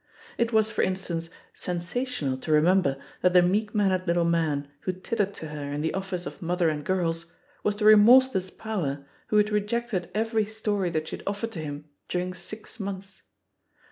It was, for instance, sensational to remember that the meek mannered little man who tittered to her in the oflSce of Mother and Girls was the remorse THE POSITION OF PEGGY HARPER 199 less power who had rejected every story that she had offered to him during six months.